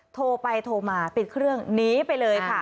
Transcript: โทรไปโทรมาปิดเครื่องหนีไปเลยค่ะ